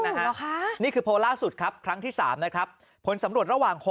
หรอคะนี่คือโพสต์ล่าสุดครับครั้งที่๓นะครับผลสำรวจระหว่างคน